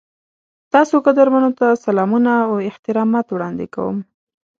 تاسو قدرمنو ته سلامونه او احترامات وړاندې کوم.